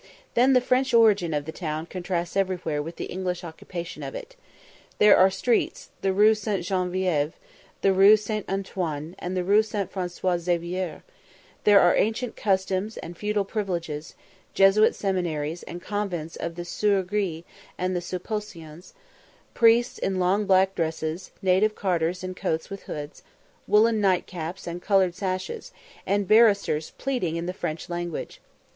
Then the French origin of the town contrasts everywhere with the English occupation of it. There are streets the Rue St. Geneviève, the Rue St. Antoine, and the Rue St. François Xavier; there are ancient customs and feudal privileges; Jesuit seminaries, and convents of the Soeurs Gris and the Sulpicians; priests in long black dresses; native carters in coats with hoods, woollen nightcaps, and coloured sashes; and barristers pleading in the French language.